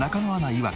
いわく